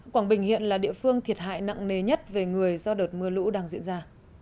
quảng bình hiện là địa phương thiệt hại nặng nề nhất về người do đợt mưa lũ đang diễn ra